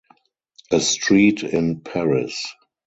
A street in Paris.